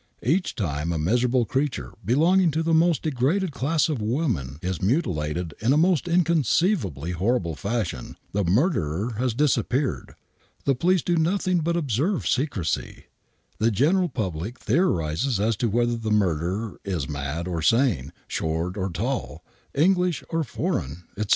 Each time a miserable creature belonging to the most degraded class of women is mutilated in a most inconceivably horrible fashion; the murderer has disappeared; the police do nothing but observe secrecy; the general public theorizes as to whether the murderer is mad or sane, short or tall, English or foreign, etc.